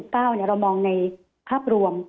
ผมมองในคาบรวม